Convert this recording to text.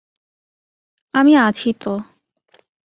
আমি আছি তো।